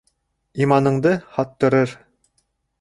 Иманыңды һаттырыр.